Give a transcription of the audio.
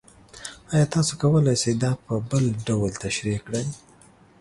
ایا تاسو کولی شئ دا په بل ډول تشریح کړئ؟